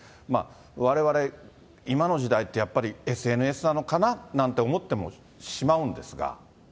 われわれ、今の時代ってやっぱりＳＮＳなのかななんて思ってしまうんですが。